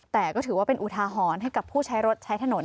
แต่ก็ถือว่าเป็นอุทาหรณ์ให้กับผู้ใช้รถใช้ถนน